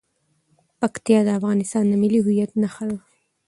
پکتیا د افغانستان د ملي هویت نښه ده.